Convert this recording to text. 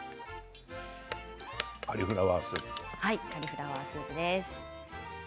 カリフラワースープ。